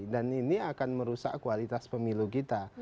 dan ini akan merusak kualitas pemilu kita